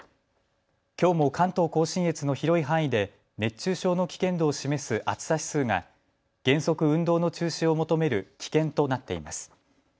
きょうも関東甲信越の広い範囲で熱中症の危険度を示す暑さ指数が原則、運動の中止を求める危険となっています。